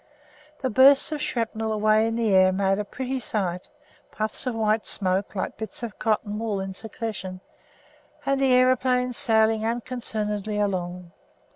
The bursts of shrapnel away in the air made a pretty sight, puffs of white smoke like bits of cotton wool in succession, and the aeroplane sailing unconcernedly along.